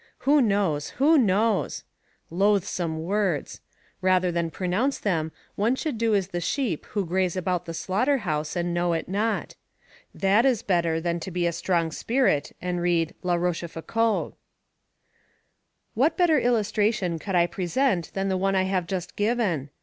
"Who knows! Who knows!" Loathsome words! Rather than pronounce them, one should do as the sheep who graze about the slaughter house and know it not. That is better than to be a strong spirit and read La Rochefoucauld. What better illustration could I present than the one I have just given?